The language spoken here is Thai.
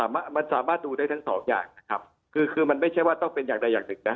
มันมันสามารถดูได้ทั้งสองอย่างนะครับคือคือมันไม่ใช่ว่าต้องเป็นอย่างใดอย่างหนึ่งนะ